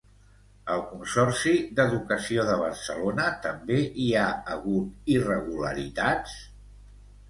Al Consorci d'Educació de Barcelona també hi ha hagut irregularitats?